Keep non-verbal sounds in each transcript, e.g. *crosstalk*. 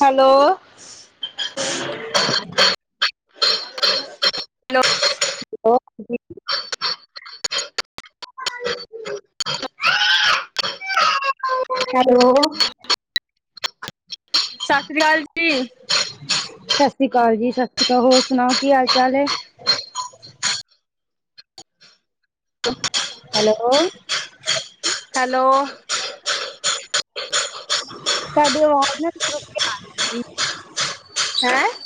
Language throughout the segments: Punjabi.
ਹੈਲੋ। *unintelligible* ਹੈਲੋ। ਜੀ। ਹੈਲੋ। ਸਤਿ ਸ੍ਰੀ ਅਕਾਲ ਜੀ। ਸਤਿ ਸ਼੍ਰੀ ਅਕਾਲ, ਜੀ ਸਤਿ ਸ਼੍ਰੀ ਅਕਾਲ ਹੋਰ ਸੁਣਾਓ ਕੀ ਹਾਲ ਚਾਲ ਹੈਂ। ਹੈਲੋ। ਹੈਲੋ ਤੁਹਾਡੀ ਅਵਾਜ਼ ਨਾ ਰੁੱਕ- ਰੁੱਕ ਕੇ ਆਣ। ਹੈਂਅ।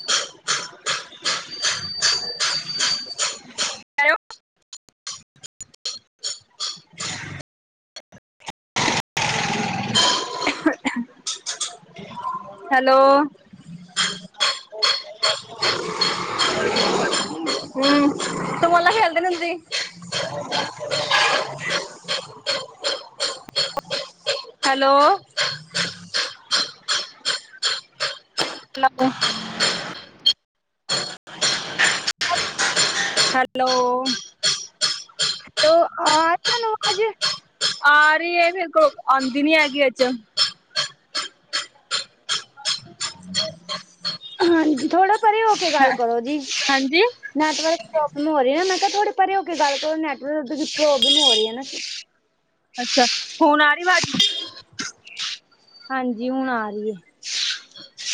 *inaudible* ਹੈਲੋ। ਹਮ ਤੂੰ ਬੋਲ ਨਾਲ ਖੇਲਦੀ ਨੀਂ ਹੁੰਦੀਂ। *unintelligible* *inaudible* ਹੈਲੋ। ਮਤਲੱਬ। ਹੈਲੋ। ਹੈਲੋ ਆ ਰਹੀ ਤੁਹਾਂਨੂੰ ਅਵਾਜ਼। ਆ ਰਹੀਂ ਹੈਂ, ਫਿਰ *unintelligible* ਆਂਦੀ ਨੀਂ ਹੈਗੀ ਵਿੱਚ। *inaudible* ਹ *unintelligible* ਹਾਂਜੀ, ਥੋੜਾ ਪਰੇ ਹੋ ਕੇ ਗੱਲ ਕਰੋ ਜੀ। ਹਾਂਜੀ ਨੈਟਵਰਕ ਪ੍ਰੋਬਲਮ ਹੋ ਰਹੀ ਨਾ ਮੈਂ ਕਿਹਾ ਥੋੜੇ ਪਰਰੇ ਹੋ ਕੇ ਗੱਲ ਕਰੋ ਨੈਟਵਰਕ ਪ੍ਰੋਬਲਮ ਹੋ ਰਹੀ ਹੈ ਨਾ। ਅੱਛਾ, ਹੁਣ ਆ ਰੀ ਵਾਜ? ਹਾਂਜੀ, ਹੁਣ ਆ ਰੀ ਏ।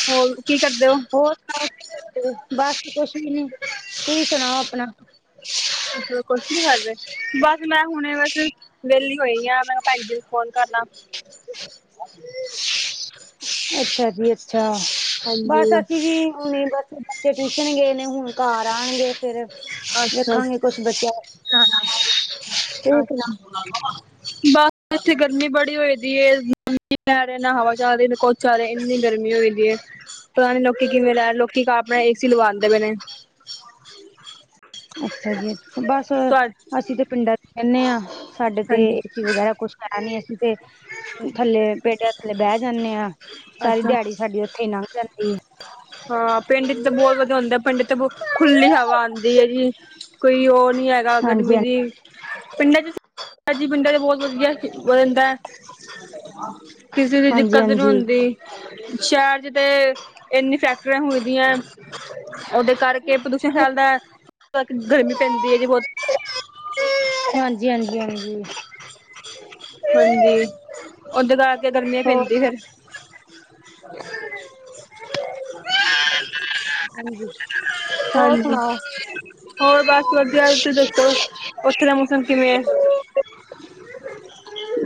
ਹੋਰ ਕੀ ਕਰਦੇ ਓ? ਹੋਰ *unintelligible* ਬਸ ਕੁਛ ਵੀ ਨੀ, ਤੁਸੀ ਸੁਨਾਓ ਅਪਨਾ। ਅੱਛਾ, ਕੁਛ ਕਰਦੇ, ਬਸ ਮੈਂ ਹੁਣੇ ਬਸ ਵੇਲੀ ਹੋਈ ਆਂ, ਮੈਂ ਭੈਨ ਜੀ ਨੂੰ ਫੋਨ ਕਰ ਲਾਂ। ਅੱਛਾ ਜੀ ਅੱਛਾ, ਬਸ ਹਾਂਜੀ ਅਸੀਂ ਜੀ ਹੁਨੀ ਬਸ ਬੱਚੇ ਟਿਊਸ਼ਨ ਗਏ ਨੇ, ਹੁਨ ਘਰ ਆਣਗੇ ਫੇਰ ਵੇਖਾਂਗੇ ਕੁਛ ਬੱਚਿਆਂ *unintelligible* ਤੁਸੀਂ ਸੁਣਾਓ? ਅੱਛਾ, ਬ ਇੱਥੇ ਗਰਮੀ ਬੜੀ ਹੋਈ ਦੀ ਏ, ਨਾ ਮੀਂ ਪੈ ਰਯਾ, ਨਾ ਹਵਾ ਚੱਲ ਰੀ ਨਾ, ਕੁੱਛ ਚ ਚੱਲ ਰਯਾ ਗਰਮੀ ਹੋਈ ਦੀ ਏ, ਪਤਾ ਨੀ ਲੋਕੀ ਕਿਵੇਂ ਲੈ, ਲੋਕੀ ਆਪਨਾ ਏ ਸੀ ਲਾਵਾਂਦੇ ਪਏ ਨੇ। ਅੱਛਾ ਜੀ ਅੱਛਾ, ਬਸ ਤੁਹਾ ਅਸੀਂ ਤੇ ਪਿੰਡਾਂ 'ਚ ਰਹਿੰਨੇ ਆਂ, ਸਾਡੇ ਤੇ ਹਾਂਜੀ ਏਸੀ ਵਗੈਰਾ ਕੁਛ *unintelligible* ਨੀ ਅਸੀਂ ਤੇ ਥੱਲੇ ਪੇਡੇਆ ਥੱਲੇ ਬੈ ਜਾਂਨੇ ਆਂ, ਸਾਰੀ ਅੱਛਾ ਦਿਹਾੜੀ ਸਾਡੀ ਓਥੇ ਈ ਨੰਗ ਜਾਂਦੀ ਏ। ਹਾਂ ਪਿੰਡ 'ਚ ਤੇ ਬੋਤ ਵਧੀਆ ਹੁੰਦਾ, ਪਿੰਡ 'ਚ ਬ ਖੁੱਲੀ ਹਵਾ ਆਂਦੀ ਏ ਜੀ। ਕੋਈ ਓ ਨੀ ਹੈਗਾ ਹਾਂਜੀ ਹਾਂਜੀ ਗਰਮੀ ਦੀ ਪਿੰਡਾਂ 'ਚ ਜੀ, ਪਿੰਡਾਂ 'ਚ ਬੋਤ ਵਧੀਆ ਵੇ ਹੁੰਦਾ ਐ। ਕਿਸੀ ਦੀ ਹਾਂਜੀ ਦਿੱਕਤ ਨੀ ਹਾਂਜੀ। ਹੁੰਦੀ ਸ਼ਹਿਰ 'ਚ ਤੇ ਏਨੀਂ ਫੈਕਟਰੀਆਂ ਹੁੰਦੀਆਂ ਓਦੇ ਕਰਕੇ ਪ੍ਰਦੂਸ਼ਣ ਫੈਲਦਾ। *unintelligible* ਗਰਮੀ ਪੈਂਦੀ ਐ ਜੀ ਬੋਤ। ਹਾਂਜੀ, ਹਾਂਜੀ, ਹਾਂਜੀ। ਹਾਂਜੀ, ਓਦੇ ਕਰਕੇ ਗਰਮੀ ਹੋਰ ਪੈਂਦੀ ਫੇਰ। *inaudible* ਹਾਂਜੀ, ਹੋਰ ਹਾਂਜੀ ਸੁਨਾਓ। *inaudible* ਹੋਰ ਬਸ ਵਧੀਆ ਤੁਸੀਂ ਦੱਸੋ ਉੱਥੇ ਦਾ ਮੌਸਮ ਕਿਵੇਂ ਹੈ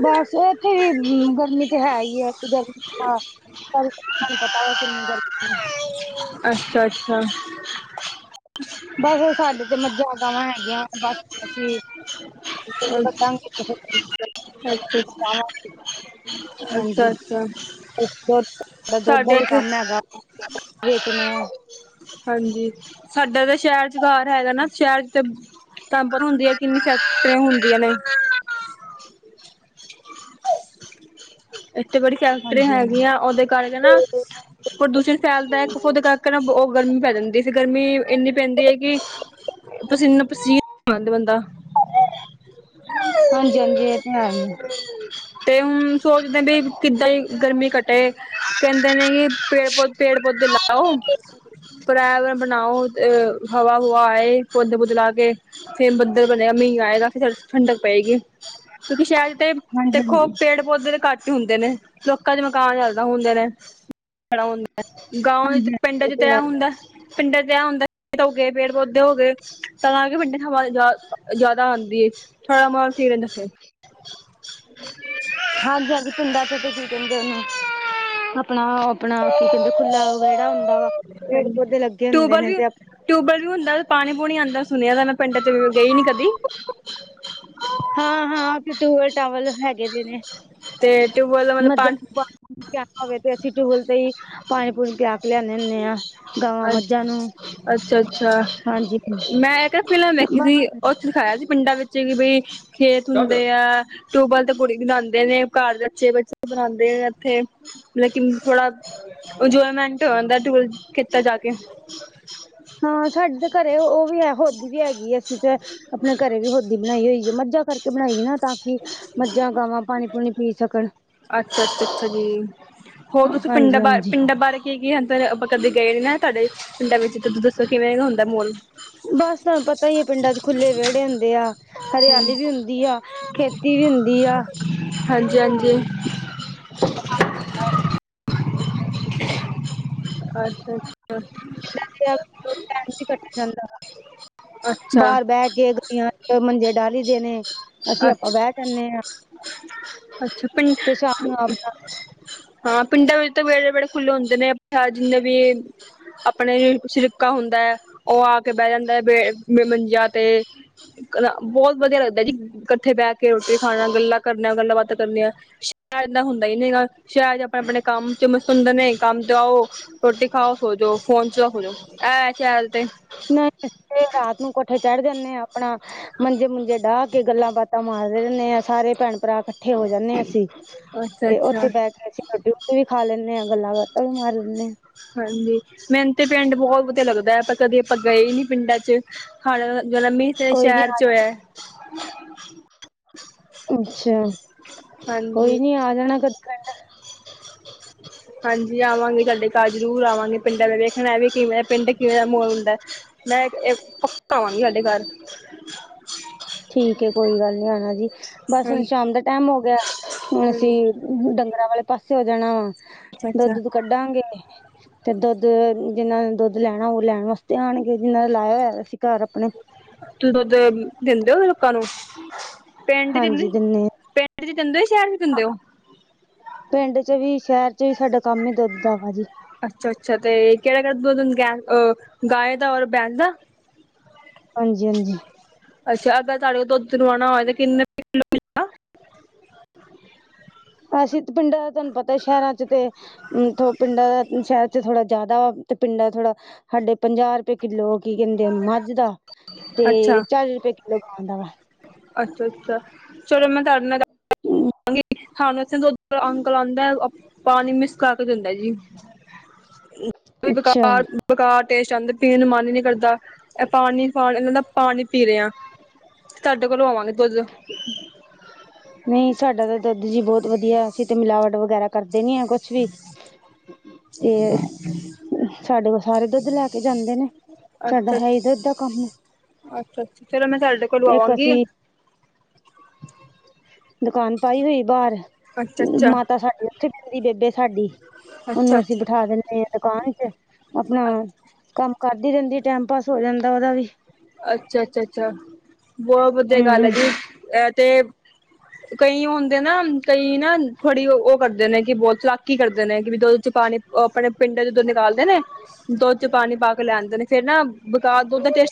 ਬਸ ਏਥੇ ਵੀ ਗਰਮੀ ਤੇ ਹੈ ਈ ਏ, ਏਥੇ ਗਰਮੀ ਦਾ *unintelligible* ਅੱਛਾ-ਅੱਛਾ। ਬਸ ਸਾਡੇ ਤੇ ਮੱਝਾ-ਗਾਵਾਂ ਹੈਗੀਆਂ ਬਸ ਅਸੀਂ। ਅੱਛਾ *unintelligible* ਹਾਂਜੀ, ਅੱਛਾ ਅੱਛਾ *unintelligible* ਸਾਡਾ ਦੁੱਧ ਦਾ ਸਾਡੇ ਵੀ ਇੱਥੇ ਕੰਮ ਹੈਗਾ। *unintelligible* ਵੇਚਨੇ ਆਂ। ਹਾਂਜੀ, ਸਾਡਾ ਤੇ ਸ਼ਹਿਰ 'ਚ ਘਰ ਹੈਗਾ ਨਾ ਸ਼ਹਿਰ 'ਚ ਤੇ *unintelligible* ਹੁੰਦੀਆਂ, ਕਿੰਨੀ ਫੈਕਟਰੀਆਂ ਹੁੰਦੀਆਂ ਨੇ। ਏਥੇ ਬੜੀ ਫੈਕਟਰੀਆਂ ਹਾਂਜੀ ਹਾਂਜੀ ਹੈਗੀਆਂ, ਓਦੇ ਕਰਕੇ ਨਾ ਪ੍ਰਦੂਸ਼ਣ ਫੈਲਦਾ ਓਦੇ ਕਰ ਨਾ ਓ ਗਰਮੀ ਪੈ ਜਾਂਦੀ, ਫੇਰ ਗਰਮੀ ਇੰਨੀ ਪੈਂਦੀ ਹੈਕਿ ਪਸੀਨਾ-ਪਸੀਨ ਹੋ ਜਾਂਦਾ ਬੰਦਾ। ਹਾਂਜੀ-ਹਾਂਜੀ, ਏ ਤੇ ਹੈ। ਤੇ ਹੁਨ ਸੋਚਦੇ ਵੀ ਕਿੱਦਾਂ ਹੀ ਗਰਮੀ ਕੱਟ ਤੇ ਕਹਿੰਦੇ ਨੇ ਪੇੜ-ਪੌ, ਪੇੜ ਪੌਦੇ ਲਾਓ। ਹਾਂਜੀ ਪਰਾਏਵਰਨ ਬਨਾਓ *unintelligible* ਹਵਾ-ਹੁਵਾ ਆਏ, ਪੌਦੇ ਪੁਦੇ ਲ ਕੇ ਫਿਰ ਬੱਦਲ ਬਨੇਗਾ, ਮੀਂ ਆਏਗਾ ਫਿਰ ਠੰਡਕ ਪਏਗੀ। ਕਿਉਂਕਿ ਸ਼ਹਿਰ 'ਚ ਤੇ ਹਾਂਜੀ ਹਾਂਜੀ ਪੇੜ-ਪੌਦੇ ਤੇ ਘੱਟ ਹੀ ਹੁੰਦੇ ਨੇ, ਲੋਕਾਂ ਦੇ ਮਕਾਨ ਜਾਦਾ ਹੁੰਦੇ ਨੇ। ਖੜਾ ਹੁੰਦਾ, ਗਾਵ ਵਿੱਚ ਤੇ ਹਾਂਜੀ ਪਿੰਡਾਂ ਇਹ 'ਚ ਤੇ ਐ ਹੈ ਹੁੰਦਾ ਪਿੰਡ 'ਚ ਤੇ ਐ ਹੁੰਦਾ, ਪੇੜ ਹੋ ਗੇ, ਪੇੜ ਪੌਦੇ ਹੋ ਗੇ। ਤਾਂ ਕਰ ਕੇ ਪਿੰਡ 'ਚ ਹਵਾ ਜਾ ਜਾਦਾ ਆਂਦੀ ਏ, ਥੋੜਾ *unintelligible* ਹਾਂਜੀ-ਹਾਂਜੀ। ਪਿੰਡਾਂ ਚ ਕੀ ਕਹਿੰਦੇ ਆਪਣਾ ਆਪਣਾ ਕੀ ਕਹਿੰਦੇ। ਫੁੱੱਲਾ ਵਗੈੜਾ ਹੁੰਦਾ ਵਾ ਪੇੜ ਹਾਂਜੀ ਪੌੇਦੇ ਲੱਗੇ ਹੁੰਦੇ ਟਿਊਬਵੈਲ ਨੇ ਵੀ ਤੇ ਟਿਊਬਵੈਲ ਵੀ ਹੁੰਦਾ ਪਾਣੀ ਪੂਣੀ ਆਉਂਦਾ ਸੁਣਿਆ ਤਾਂੈ ਪਿੰਡਾਂ ਤੇ ਗਈ ਨੀ ਕਦੀ ਹਾਂ ਹਾਂ ਟੂਵਲ ਟਾਵਲ ਹੈਗੇ ਦੇ ਨੇ। ਤੇ ਟਿਊਬਵੈਲ ਦਾ ਮਤਲਬ ਮੱਝਾਂ ਨੂੰ ਪਾਣੀ ਪਿਆਣਾ ਹੋਵੇ ਤੇ ਅਸੀਂ ਟੂਵਲ ਤੇ ਹੀ ਪਾਣੀ ਪੂਣੀ ਪਿਆ ਕੇ ਲਿਆਉਂਦੇ ਹੁੰਦੇ ਆਂ ਗਾਵਾਂ ਮੱਝਾਂ ਨੂੰ ਅੱਛਾ, ਅੱਛਾ ਹਾਂਜੀ ਮੈਂ ਇੱਕ ਫਿਲਮ ਦੇਖੀ ਸੀ। ਉਹਦੇ ਦਿਖਾਇਆ ਸੀ ਪਿੰਡਾਂ ਵਿੱਚ ਕਿ ਬਈ ਖੇਤ ਹੁੰਦੇ ਆ। ਟਿਊਬਵੈਲ ਤੇ ਕੁੜੀ ਬਣਾਉਂਦੇ ਨੇ ਘਰ ਦੇ ਬੱਚੇ, ਬੱਚੇ ਬਣਾਉਂਦੇ ਨੇ ਇੱਥੇ ਲੇਕਿਨ ਥੋੜਾ ਇੰਜੋਏਮੈਂਟ ਹੋ ਜਾਂਦਾ ਟੂਰ ਕੀਤਾ ਜਾ ਕੇ ਹਾਂ ਸਾਡੇ ਘਰੇ ਉਹ ਵੀ ਹੈ ਹੋਦੀ ਵੀ ਹੈਗੀ ਅਸੀਂ ਤੇ ਆਪਣੇ ਘਰੇ ਵੀ ਹੋਦੀ ਬਣਾਈ ਹੋਈ ਆ ਮੱਝਾਂ ਕਰਕੇ ਬਣਾਈ ਨਾ। ਤਾਂ ਕਿ ਮੱਝਾਂ ਗਾਵਾਂ ਪਾਣੀ ਪੂਣੀ ਪੀ ਸਕਣ। ਅੱਛਾ ਅੱਛਾ ਅੱਛਾ ਜੀ ਹੋਰ ਤੁਸੀਂ ਹਾਂਜੀ ਪਿੰਡਾਂ ਬਾਰੇ ਹਾਂਜੀ ਪਿੰਡਾਂ ਬਾਰੇ ਕੀ ਕੀ ਹ ਆਪਾਂ ਕਦੇ ਗਏ ਨ ਨਾ। ਤੁਹਾਡੇ ਪਿੰਡਾਂ ਵਿੱਚ ਤੁਸੀਂ ਦੱਸੋ ਕਿਵੇਂਗਾ ਹੁੰਦਾ ਮਾਹੌਲ? ਬਸ ਤੁਹਾਨੂੰ ਪਤਾ ਹੀ ਆ ਪਿੰਡਾਂ ਚ ਖੁੱਲੇ ਵਿਹੜੇ ਹੁੰਦੇ ਆ ਹਰਿਆਲੀ ਵੀ ਹੁੰਦੀ ਆ। ਖੇਤੀ ਵੀ ਹੁੰਦੀ ਆ। ਹਾਂਜੀ, ਹਾਂਜੀ। ਅ *unintelligible* ਅੱਛਾ ਅੱਛਾ ਪਿੰਡਾਂ ਵਿੱਚ ਟਾਈਮ ਨਹੀਂ ਕੱਟਿਆ ਜਾਂਦਾ ਵਾ ਅੱਛਾ ਅੱਛਾ ਬਾਹਰ ਬਹਿ ਕੇ ਗਡੀਆਂ ਮੰਜੇ ਡਾ ਲਈ ਦੇ ਨੇ। ਅਸੀਂ ਆਪਾਂ ਬਹਿ ਅੱਛਾ ਜਾਂਣੇ ਹਾਂ ਅੱਛਾ ਪਿੰਡ ਤੇ ਸ਼ਾਮ ਨੂੰ ਆਪਣਾ ਹਾਂ ਪਿੰਡਾਂ ਵਿੱਚ ਤਾਂ ਵਿਹੜੇੇ, ਵਿਹੜੇ ਖੁੱਲੇ ਹੁੰਦੇ ਨੇ ਜਿੰਨੇ ਵੀ ਆਪਣੇ ਸਿਰਕਾ ਹੁੰਦਾ ਹੈ ਉਹ ਆ ਕੇ ਬਹਿ ਜਾਂਦਾ ਹੈ ਬੇ ਮੰਜਿਆ ਤੇ ਬਹੁਤ ਵਧੀਆ ਲੱਗਦਾ ਜੀ ਇਕੱਠੇ ਬਹਿ ਕੇ ਰੋਟੀ ਖਾਣਾ ਗੱਲਾਂ ਕਰਨੀਆਂ ਗੱਲਾਂ ਬਾਤ ਕਰਨੀਆਂ ਸ਼ਹਿਰ ਦਾ ਹੁੰਦਾ ਹੀ ਨਹੀ ਸ਼ਹਿਰ ਆਪਣੇ ਕੰਮ ਚ ਮਸਤ ਹੁੰਦੇ ਨੇ ਕੰਮ ਤੋਂ ਆਓ ਰੋਟੀ ਖਾਓ ਸੋਜੋ ਫੋਨ ਚ ਖੋਜੋ ਐ ਸ਼ਿਆਲ ਤੇ ਨਹੀਂ ਅਸੀ ਰਾਤ ਨੂੰ ਕੋਠੇ ਚੜ ਜਾਣੇ ਹਾਂ ਆਪਣਾ ਮੰਜੇ ਮੁਜੇ ਡਾਹ ਕੇ ਗੱਲਾਂ ਬਾਤਾਂ ਮਾਰਦੇ ਰਹਿੰਦੇ ਆਾਂ ਸਾਰੇ ਭੈਣ ਭਰਾ ਇਕੱਠੇ ਹੋ ਜਾਂਦੇ ਹਾਂ ਅਸੀਂ ਅੱਛਾ ਤੇ ਅੱਛਾ ਉੱਥੇ ਬਹਿ ਕੇ ਅਸੀਂ ਗੱਡੀ ਵੀ ਖਾ ਲੈਂਦੇ ਹਾਂ ਗੱਲਾਂ ਬਾਤਾਂ ਵੀ ਮਾਰ ਲੈਂਦੇ ਹਾਂ ਹਾਂਜੀ ਮੈਨੂੰ ਤੇ ਪਿੰਡ ਬਹੁਤ ਵਧੀਆ ਲੱਗਦਾ ਹੈ ਪਰ ਕਦੇ ਆਪਾਂ ਗਏ ਹੀ ਨੀ ਪਿੰਡਾਂ ਚ ਹਾੜਾ ਤੇ ਜਨਮ ਵੀ ਕੋਈ ਨੀ ਸ਼ਹਿਰ ਆ ਚ ਹੋਇਆ ਜਾਣਾ ਅੱਛਾ ਹਾਂਜੀ ਕੋਈ ਨੀ ਆ ਜਾਣਾ। ਪਿੰਡ ਹਾਂਜੀ ਆਵਾਂਗੇ ਤੁਹਾਡੇ ਘਰ ਜ਼ਰੂਰ ਆਵਾਂਗੇ ਪਿੰਡਾਂ ਨੇ ਵੇਖਣਾ ਵੀ ਕਿਵੇਂ ਪਿੰਡ ਕਿਵੇਂ ਦਾ ਮਾਹੌਲ ਹੁੰਦਾ ਮੈਂ ਪੱਕਾ ਆਵਾਂਗੀ ਤੁਹਾਡੇ ਘਰ। ਠੀਕ ਕੋਈ ਗੱਲ ਨੀ ਆਉਣਾ ਜੀ ਬਸ ਹੁਣ ਹਾਂਜੀ ਸ਼ਾਮ ਦਾ ਟੈਮ ਹੋ ਗਿਆ ਹੁਣ ਅਸੀਂ ਹਾਂਜੀ ਡੰਗਰਾਂ ਵਾਲੇ ਪਾਸੇ ਹੋ ਜਾਣਾ ਵਾ ਅੱਛਾ ਦੁਧ, ਅੱਛਾ ਦੁੱਧ ਕੱਢਾਂਗੇ। ਤੇ ਦੁੱਧ ਜਿਹਨਾਂ ਨੇ ਦੁੱਧ ਲੈਣਾ ਉਹ ਲੈਣ ਵਾਸਤੇ ਆਉਣਗੇ ਜਿਨਾਂ ਦਾ ਲਾਇਆ ਹੋਇਆ ਅਸੀਂ ਘਰ ਆਪਣੇ ਤੁਸੀ ਦੁੱਧ ਦਿੰਦੇ ਹੋ ਲੋਕਾਂ ਨੂੰ ਪਿੰਡ ਚ ਹਾਂਜੀ ਦਿੰਨੇ ਆ ਪਿੰਡ ਚ ਦਿੰਦੇ ਹੋ ਸ਼ਹਿਰ ਚ ਦਿੰਦੇ ਹੋ। ਪਿੰਡ ਚ ਵੀ ਸ਼ਹਿਰ ਚ ਵੀ ਸਾਡਾ ਕੰਮ ਹੀ ਦੁੱਧ ਦਾ ਵਾ ਜੀ। ਅੱਛਾ, ਅੱਛਾ ਤੇ ਕਿਹੜਾ, ਕਿਹੜਾ ਗਾਏ ਦਾ ਔਰ ਬੈਸ ਦਾ। ਹਾਂਜੀ, ਹਾਂਜੀ। ਅੱਛਾ ਅਗਰ ਤੁਹਾਡੇ ਕੋ ਦੁੱਧ ਲਵਾਉਣਾ ਹੋਵੇ ਤੇ ਕਿੰਨੇ ਕਿੰਨਾ ਕੁ ਅਸੀਂ ਪਿੰਡਾਂ ਦਾ ਤੁਹਾਨੂੰ ਪਤਾ ਸ਼ਹਿਰਾਂ ਚ ਤੇ ਹਮ ਪਿੰਡਾਂ ਦਾ ਸ਼ਹਿਰ ਚ ਥੋੜਾ ਜ਼ਿਆਦਾ ਵਾ ਤੇ ਪਿੰਡਾਂ ਦਾ ਥੋੜਾ ਸਾਡੇ ਪੰਜਾਹ ਰੁਪਏ ਕਿੱਲੋ ਹੋ ਕੀ ਕਹਿੰਦੇ ਉਹਨੂੰ ਮੱਝ ਦਾ ਤੇ ਅੱਛਾ ਚਾਲੀ ਰੁਪਏ ਕਿੱਲੋ ਗਾਂ ਦਾ ਵਾ ਅੱਛਾ ਅੱਛਾ ਚੋਲੋ ਮੈਂ ਤੁਹਡੇ ਨਾਲ ਵਾ ਹੈ ਸਾਨੂੰ ਇਥੇ ਦ ਅੰਕਲ ਆਂਦਾਏ ਅ ਪਾਨੀ ਮਿਸ ਕਰਕੇ ਦਿੰਦਾਏ ਜੀ। ਅੱਛਾ ਬਕਾਰ। ਬਕਾਰ ਟੇਸਟ ਆਂਦ ਪੀਨ ਨੂੰ ਮਨ ਹੀ ਨੀ ਕਰਦਾ, ਇਹ ਪਾਣੀ ਪਾ ਇਹ ਦਾ ਪਾਣੀ ਪੀ ਰੇਆਂ। ਸਾਡੇ ਕੋਲੋਂ ਵਾਂਗੇ ਦੁੱਧ। ਨੀ ਸਾਡਾ ਤਾਂ ਦੁਧ ਜੀ ਬੋਤ ਵਧੀਆ। ਅਸੀਂ ਤੇ ਮਿਲਾਵਟ ਵਗੈਰਾ ਕਰਦੇ ਨੀ ਏ ਕੁਛ ਵੀ। ਤੇ *inaudible* ਸਾਡੇ ਕੋਲ ਸਾਰੇ ਦੁੱਧ ਲੈ ਕੇ ਜਾਂਦੇ ਨੇ, ਸਾਡਾ ਹੈ ਈ ਦੁੱਧ ਦਾ ਕੰਮ। ਚ ਚਲੋ ਮੈਂ ਸਾਡੇ ਕੋਲ ਇੱਕ ਲੂਆਵਾਂਗੀ। ਅਸੀਂ ਦੁਕਾਨ ਪਾਈ ਹੋਈ ਬਾਰ, ਅੱਛਾ-ਅੱਛਾ, ਮਾਤਾ ਸਾਡੀ ਉੱਥੇ ਬੇਂਦੀ, ਬੇਬੇ ਸਾਡੀ। ਉਹਨੂੰ ਅਸੀਂ ਅੱਛਾ-ਅੱਛਾ, ਬਿਠਾ ਦਿੰਨੇ ਹਾਂ। ਦੁਕਾਨ ਚ, ਆਪਣਾ ਕੰਮ ਕਰਦੀ ਰੇਂਦੀ ਟੈਮ ਪਾਸ ਹੋ ਜਾਂਦਾ ਉਹਦਾ ਵੀ। ਅੱਛਾ-ਅੱਛਾ-ਅੱਛਾ ਬਹੁਤ ਵਧੀਆ ਗੱਲ ਆ ਹਮ ਜਾ ਤੇ ਕਈ ਉਹ ਹੁੰਦੇ ਨਾ, ਕਈ ਨਾ ਥੋੜੀ ਉ ਉਹ ਕਰਦੇ ਨੇ ਕਿ ਬੋਤ ਚਲਾਕੀ ਕਰਦੇ ਨੇ, ਕਿ ਵੀ ਦੁੱਧ ਚ ਪਾਣੀ ਉਹ ਆਪਣੇ ਪਿੰਡ ਚ ਧੁੱਧ ਨਿਕਾਲਦੇ ਨੇ, ਦੁੱਧ ਚ ਪਾਨੀ ਪਾ ਕੇ ਲੈਦੇ ਨੇ ਫੇਰ ਨਾ ਬਕਾ *unintelligible*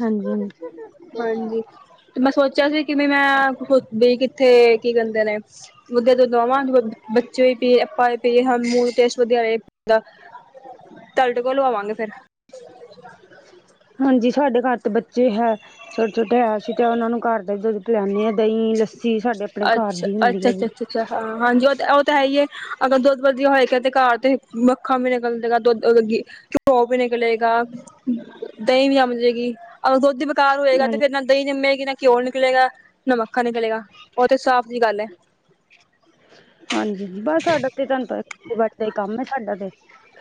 ਹਾਂਜੀ ਹਾਂਜੀ ਹੁੰਦਾਏ। ਤੇ ਮੈਂ ਸੋਚਿਆ ਸੀ ਕਿ ਵੀ ਮੈਂ, ਬਈ ਕਿੱਥੇ ਕੀ ਕਹਿੰਦੇ ਨੇ ਵਧੀ ਤੋਂ ਦਵਾਵਾਂ ਬੱਚੇ ਈ ਪੀਏ ਅਪਾਂ ਵੀ ਪੀਏ ਸੂੰਹ ਤੇਸ ਵਧੀਆ ਰਏਗਾ। ਤਾਡੇ ਕੋਲ ਲੂਆਵਾਂਗੇ ਫੇਰ। ਹਾਂਜੀ ਸਾਡੇ ਘਾਰ ਤੇ ਬੱਚੇ ਹੈ, ਛੋਟੇ-ਛੋਟੇ ਹੈ, ਸੀ ਤੇ ਉਹਨਾਂ ਨੂੰ ਘਾਰ ਦਾ ਈ ਦੁੱਧ ਪਿਆਂਨੇ ਆਂ। ਦਹੀਂ, ਲੱਸੀ ਸਾਡੇ ਆਪਨੇ ਘਰ ਅੱਛਾ ਦੀ ਹੁੰਦੀ ਅੱਛਾ ਹੈ ਅੱਛਾ ਜੀ। ਅੱਛਾ ਅੱਛਾ ਹਾਂ, ਹਾਂਜੀ ਉਹ ਤ ਉਹ ਤਾਂ ਹੈ ਈ ਐ, ਅਗਰ ਦੁੱਧ ਵਧੀਆ ਹੋਇਗਾ ਤੇ ਘਾਰ ਤੇ ਮੱਖਣ ਵੀ ਨਿਕਲਜੇਗਾ ਦੁੱਧ ਲੱਗੀ ਘਓ ਵੀ ਨਿਕਲੇਗਾ, ਦਹੀਂ ਵੀ ਜਮਜੇਗੀ ਔਰ ਦੁੱਧ ਦੀ ਘਾਰ ਹੋਏਗਾ ਤੇ ਹਾਂਜੀ ਫੇਰ ਨਾ ਦਹੀਂ ਜੰਮੇਗੀ, ਨਾ ਘਿਓ ਨਿਕਲੇਗਾ, ਨਾ ਮੱਖਨ ਨਿਕਲੇਗਾ ਉਹ ਤੇ ਸਾਫ਼ ਜੀ ਗੱਲ ਐ। ਹਾਂਜੀ ਬਸ ਸਾਡਾ ਤੇ ਤੁਹਾਨੂੰ ਪਤਾ *inaudible* ਦਾ ਈ ਕੰਮ ਐ ਸਾਡਾ ਤੇ।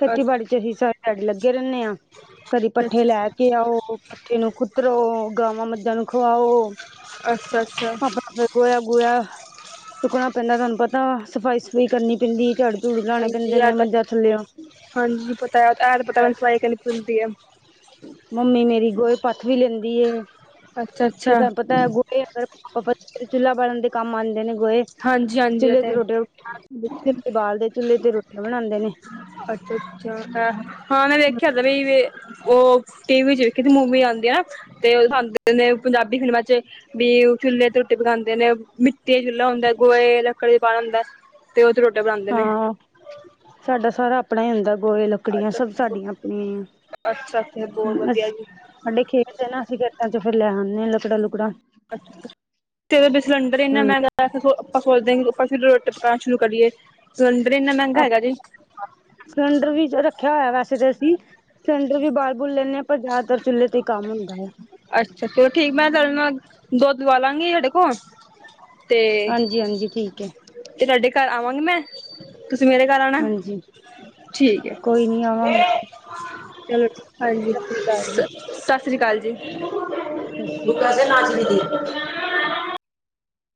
ਖੇਤੀਬਾੜੀ ਚ ਅਹੀ ਸਾਰੀ ਦੇਹਾੜੀ ਲੱਗੇ ਰਹਿੰਦੇ ਆਂ, ਕਦੀ ਪੱਠੇ ਲੈ ਕੇ ਆਓ, ਪੱਠੇ ਨੂੰ ਕੁਤਰੋ, ਗਾਵਾਂ-ਮੱਝਾਂ ਨੂੰ ਖੁਆਓ। ਅੱਛਾ ਅੱਛਾ ਆਪਣਾ ਫੇਰ ਗੋਆ-ਗੁਆ। ਚੁਕਣਾ ਪੈਂਦਾ ਤੁਹਾਨੂੰ ਪਤਾ ਵਾ। ਸਫ਼ਾਈ-ਸਫੂਈ ਕਰਨੀ ਪੈਂਦੀ, ਝਾੜੂ ਝੂੜੂ ਲਾਉਣੇ ਪੈਂਦੇ ਹਾਂਜੀ ਅ ਨੇ ਤੇ, ਮੱਝਾਂ ਥੱਲਿਓ ਹਾਂਜੀ ਪਤਾਏ ਐ ਤਾਂ ਪਤਾ ਮੈਨੂੰ ਸਫਾਈ ਕਰਨੀ ਪੈਂਦੀ ਆ। ਮੰਮੀ ਮੇਰੀ ਗੋਹੇ ਪੱਥ ਵੀ ਲੈਂਦੀ ਐ। ਅੱਛਾ-ਅਛ। ਫੇਰ ਤੁਹਾਨੂੰ ਪਤਾਏ, ਗੋਹੇ ਅਗ ਪਤਾ ਫ ਚੁੱਲ੍ਹਾ ਬਾਲਨ ਦੇ ਕੰਮ ਆਂਦੇ ਨੇ ਗੋਏ। ਹਾਂਜੀ-ਹਾਂਜੀ ਅ। ਰੋਟੀ-ਰੁਟੀ *inaudible* ਬਾਲਦੇ ਚੁੱਲ੍ਹੇ ਤੇ ਰੋਟੀਆਂ ਬਣਾਦੇ ਨੇ। ਅੱਛਾ-ਅੱਛਾ ਐ ਹਾਂ ਮੈਂ ਦੇੇਖਿਆ ਤੇ ਏ ਈ ਵੇ। ਉਹ ਟੀ ਵੀ ਚ ਵੇਖੀ ਮੂਵੀ ਆਨ ਦੇਆਂ, ਤੇ ਉਹ ਖਾਂਦੇ ਨੇ ਪੰਜਾਬੀ ਫਿਲਮਾਂ ਚ ਬੀ ਚੁੱਲੇ ਤੇ ਰੋਟੀ ਪਕਾਂਦੇ ਨੇ ਮਿੱਟੀ ਚੁੱਲਾ ਹੁੰਦਾਏ। ਗੋਏ, ਲੱਕੜੀ ਬਾਲ ਹੁੰਦਾਏ, ਤੇ ਓਦ ਤੇ ਰੋਟੀ ਬਣਾਂ ਹਾਂ, ਸਾਡਾ ਸਾਰਾ ਆਪਣਾ ਹੀ ਹੁੰਦਾ ਗੋਇਲ। ਕੜੀਆਂ ਅੱਛਾ ਸਭ ਸਾਡੀਆਂ ਆਪਣੀਆਂ ਆ। ਅੱਛਾ ਅੱਛਾ ਬਹੁਤ ਹੁੰ ਅਸ ਵਧੀਆ ਜੀ ਸਾਡੇ ਖੇਤ ਏ ਨਾ, ਅਸੀਂ ਖੇਤਾਂ ਚ ਫੇਰ ਲੈ ਆਂਦੇ ਆਂ ਲੱਕੜਾ-ਲੁਕੜਾ। *inaudible* ਤੇਰੇ ਓਧਰ ਸਿਲੰਡਰ ਇੰਨਾ ਹੂੰ ਮਹਿੰਗਾ ਆਪਾਂ ਸੋਚ ਆਪਾਂ ਸੋਚਦਿਆਂ ਕੀ ਆਪਾਂ ਫੇਰ ਰੋਟੀ ਪਕਣਾ ਸ਼ੁਰੂ ਕਰੀਏ। ਸਿਲਿੰਡਰ ਈ ਇਨਾ ਮੈਂਗਾ ਹੇਗਾ ਜੇ। ਸਿਲੰਡਰ ਵੀ ਜ ਰੱਖਿਆ ਹੋਇਆ ਵੈਸੇ ਤੇ ਅਸੀਂ, ਸਿਲੰਡਰ ਵੀ ਬਾਲ-ਬੁਲ ਲੈਂਦੇ ਆਂ ਪਰ ਜ਼ਿਆਦਾਤਰ ਚੁੱਲ੍ਹੇ ਤੇ ਕੰਮ ਹੁੰਦਾ ਵੇਆਂ। ਅੱਛਾ, ਚਲੋ ਠੀਕ, ਮੈਂ ਤੁਹਾਡੇ ਨਾਲ, ਦੁੱਧ ਲੁਆਲਾਂਗੀ ਸਾਡੇ ਕੋਲ ਤੇ ਹਾਂਜੀ-ਹਾਂਜੀ ਠੀਕ ਐ। ਤੇ ਤੁਹਾਡੇ ਘਾਰ ਅਵਾਂਗੀ ਮੈਂ, ਤੁਸੀਂ ਮੇਰੇ ਘਰ ਆਣਾ। ਹਾਂਜੀ ਠੀਕ ਹੈ ਕੋਈ ਨੀ ਆਵਾਂਗੇ, ਚਲੋ ਠੀਕ ਐ। ਹਾਂਜੀ ਸਸ ਸ੍ਰੀ ਕਾਲ ਸ ਜੀ। ਸਤਿ ਸ਼੍ਰੀ ਅਕਾਲ ਸਤਿ ਸ਼੍ਰੀ ਜੀ।